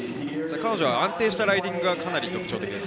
彼女は安定したライディングが特徴です。